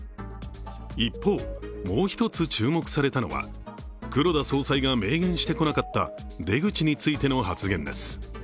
一方、もう一つ注目されたのは、黒田総裁が明言してこなかった出口についての発言です。